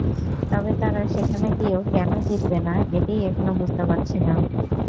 তবে তারা সেখানে গিয়েও কেন জিতবে না, এটিই এখনো বুঝতে পারছি না।